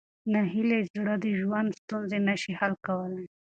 ناهیلي زړه د ژوند ستونزې نه شي حل کولی.